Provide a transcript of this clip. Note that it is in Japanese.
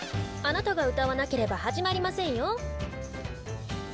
あなたが歌わなければ始まりませんよ。